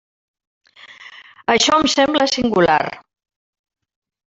Això em sembla singular.